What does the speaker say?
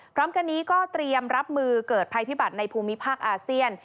พร้อมกันนี้ก็เตรียมรับมือเกิดภัยพิบัติในภูมิภาคอาเซียน